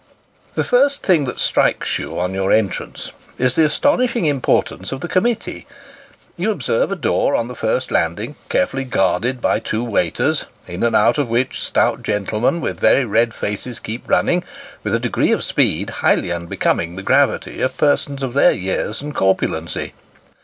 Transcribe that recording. The first tiling that strikes you, on your entrance, is the astonishing importance of the committee. You observe a door on the first landing, carefully guarded by two waiters, in and out of which stout gentlemen with very red faces keep running, with a degree of speed highly unbecoming the gravity of persons of their years and corpulency.